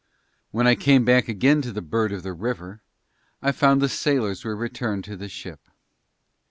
When I came back again to the Bird of the River, I found the sailors were returned to the ship.